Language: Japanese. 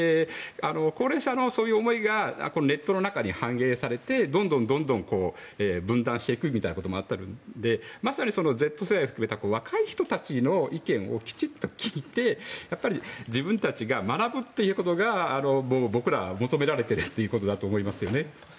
高齢者のそういう思いがネットの中に反映されてどんどん分断していくみたいなこともあったのでまさに、Ｚ世代を含めた若い人たちの意見をきちっと聞いて、やっぱり自分たちが学ぶということが僕らには求められているということだと思いますね。